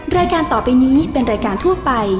รายการต่อไปนี้เป็นรายการทั่วไป